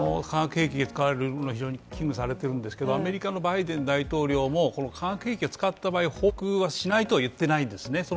化学兵器を使われるのが非常に危惧されているんですけれどもアメリカのバイデン大統領も化学兵器を使った場合報復はしないと言ってないんですね。